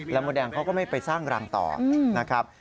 แล้วมดแดงเขาก็ไม่ไปสร้างรังต่อนะครับ